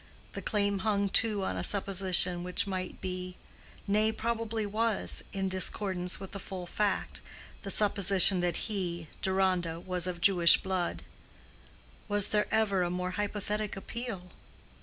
The claim hung, too, on a supposition which might be—nay, probably was—in discordance with the full fact: the supposition that he, Deronda, was of Jewish blood. Was there ever a more hypothetic appeal?